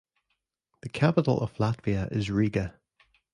The capital of Latvia is Riga.